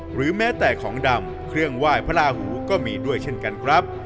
หรือแม้แต่ของดำเครื่องไหว้พระลาหูก็มีด้วยเช่นกันครับ